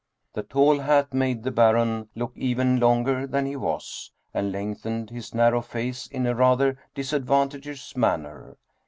The tall hat made the Baron look even longer than he was, and lengthened his narrow face in a rather disadvan tageous manner.